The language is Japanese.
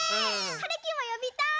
はるきもよびたい！